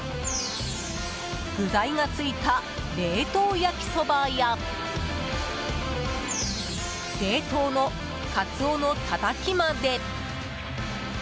具材がついた冷凍焼きそばや冷凍のカツオのたたきまで。